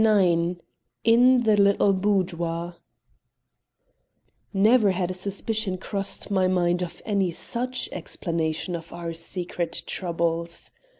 IX IN THE LITTLE BOUDOIR Never had a suspicion crossed my mind of any such explanation of our secret troubles.